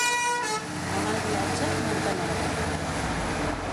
A mal viatge, manta nova.